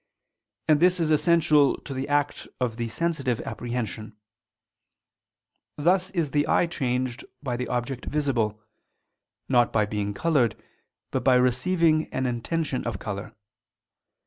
And this is essential to the act of the sensitive apprehension: thus is the eye changed by the object visible, not by being colored, but by receiving an intention of color.